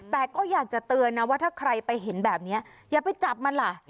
แต่ก็อยากจะเตือนนะว่าถ้าใครไปเห็นแบบนี้อย่าไปจับมันล่ะ